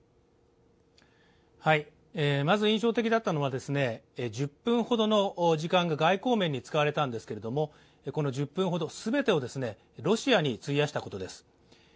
まず印象的だったのは、１０分ほどの時間が外交面に使われたんですけれども、この１０分ほど全てをロシアに費やしたことです。